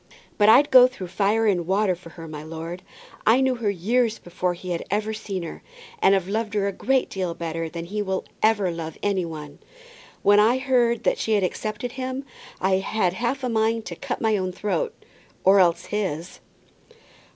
"But I'd go through fire and water for her, my lord. I knew her years before he had ever seen her, and have loved her a great deal better than he will ever love any one. When I heard that she had accepted him, I had half a mind to cut my own throat, or else his."